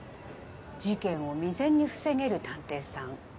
事件を未然に防げる探偵さん。